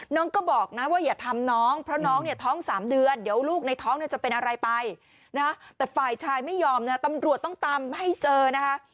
น้องก็บอกนะว่าอย่าทำน้องเพราะน้องเนี่ยท้อง๓เดือนเดี๋ยวลูกในท้องเนี่ยจะเป็นอะไรไปนะแต่ฝ่ายชายไม่ยอมนะตำรวจต้องตามให้เจอนะคะ